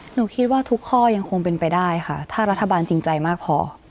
หนูคิดว่าทุกข้อยังคงเป็นไปได้ค่ะถ้ารัฐบาลจริงใจมากพอ